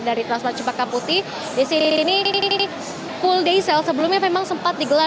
dari transplant cipaka putih di sini full day sale sebelumnya memang sempat digelar